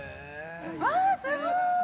◆わあすごい！